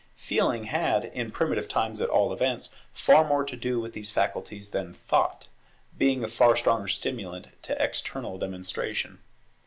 Feeling had, in primitive times at all events, far more to do with these faculties than Thought, being a far stronger stimulant to external demonstration.